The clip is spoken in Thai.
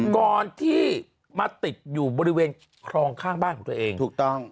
ก่อนที่มาติดอยู่บริเวณคลองข้างบ้านของตัวเองถูกต้อง